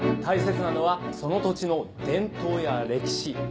大切なのはその土地の伝統や歴史。